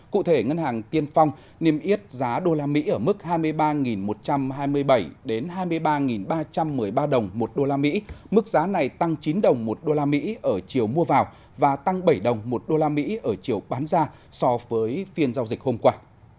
cụ thể ngân hàng tiên phong niêm yết giá usd ở mức hai mươi ba một trăm hai mươi bảy đến hai mươi ba ba trăm một mươi ba đồng một usd mức giá này tăng chín đồng một usd ở chiều mua vào và tăng bảy đồng một usd ở chiều bán ra so với phiên giao dịch hôm qua